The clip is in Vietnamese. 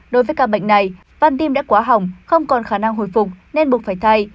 đối với ca bệnh này van tim đã quá hỏng không còn khả năng hồi phục nên buộc phải thay